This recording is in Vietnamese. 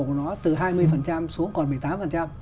của nó từ hai mươi xuống còn một mươi tám